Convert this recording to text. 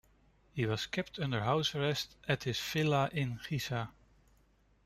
He was kept under house arrest at his villa in Giza.